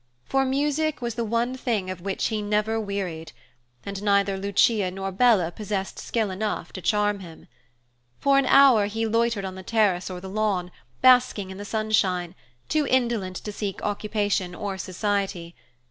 For music was the one thing of which he never wearied, and neither Lucia nor Bella possessed skill enough to charm him. For an hour he loitered on the terrace or the lawn, basking in the sunshine, too indolent to seek occupation or society.